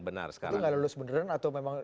benar sekarang itu nggak lulus beneran atau memang